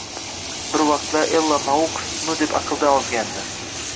Bir vaqtlar Ella Nouks uni deb aqldan ozgandi